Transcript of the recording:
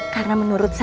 karena menurut saya